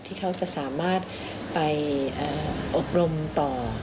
ที่เขาจะสามารถไปอบรมต่อ